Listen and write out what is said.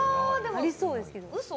ありそうですけど。